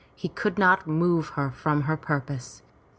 He could not move her from her purpose.